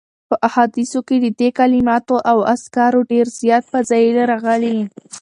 په احاديثو کي د دي کلماتو او اذکارو ډير زیات فضائل راغلي